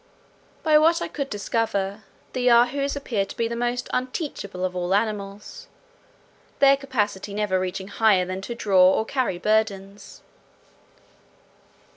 By what I could discover, the Yahoos appear to be the most unteachable of all animals, their capacity never reaching higher than to draw or carry burdens.